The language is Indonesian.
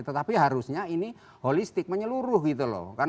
tetapi harusnya ini holistik menyeluruh gitu loh